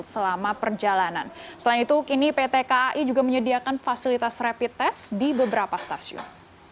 selain itu pt kai juga menyediakan fasilitas rapid test di beberapa stasiun